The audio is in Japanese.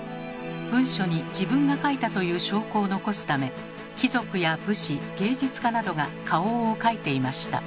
文書に「自分が書いた」という証拠を残すため貴族や武士芸術家などが花押を書いていました。